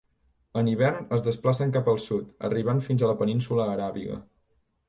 En hivern es desplacen cap al sud, arribant fins a la Península Aràbiga.